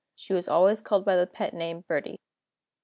She was always called by the pet name "Birdie."